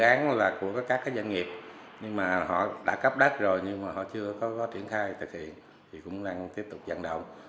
các dự án là của các doanh nghiệp nhưng mà họ đã cấp đất rồi nhưng mà họ chưa có triển khai thực hiện thì cũng đang tiếp tục dẫn động